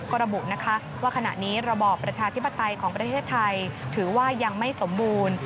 ก็ระบุนะคะว่าขณะนี้ระบอบประชาธิปไตยของประเทศไทยถือว่ายังไม่สมบูรณ์